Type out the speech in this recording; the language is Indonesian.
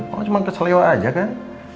oh cuma kesal lewa saja kan